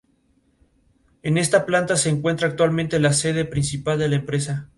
Smedley se convirtió en el fundadora del "Internacional Liceo Club".